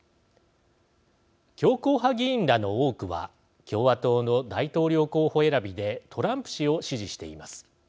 強硬派議員らの多くは共和党の大統領候補選びでトランプ氏を支持しています。